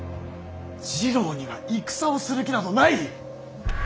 次郎には戦をする気などない！